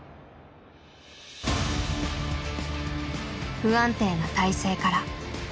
不安定な体勢から。